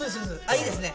いいですね。